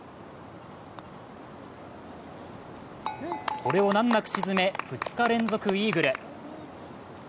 これを難なく決め、２日連続イーグル！